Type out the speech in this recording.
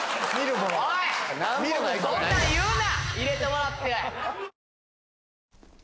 そんなん言うな！